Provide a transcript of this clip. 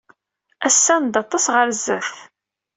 Ass-a, nedda aṭas ɣer sdat.